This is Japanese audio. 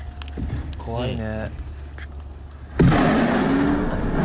怖いね。